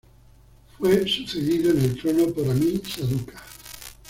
Fue sucedido en el trono por Ammi-Saduqa.